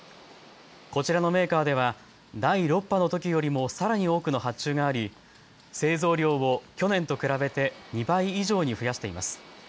こちらのメーカーでは第６波のときよりもさらに多くの発注があり、製造量を去年と比べて２倍以上に増やしています。